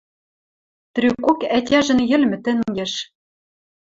Трӱкок ӓтяжӹн йӹлмӹ тӹнгеш.